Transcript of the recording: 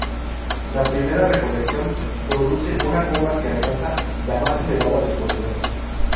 La primera recolección produce una goma que alcanza la más elevada viscosidad.